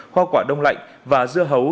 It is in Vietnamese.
kho quả đông lạnh và dưa hấu